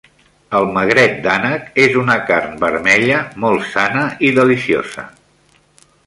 El magret d'ànec és una carn vermella, molt sana i deliciosa.